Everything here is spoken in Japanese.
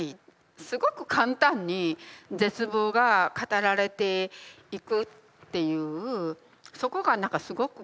すごく簡単に絶望が語られていくっていうそこが何かすごく気になっていて。